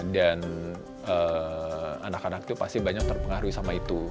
dan anak anak itu pasti banyak terpengaruhi sama itu